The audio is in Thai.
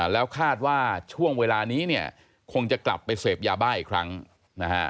แล้วคาดว่าช่วงเวลานี้เนี่ยคงจะกลับไปเสพยาบ้าอีกครั้งนะฮะ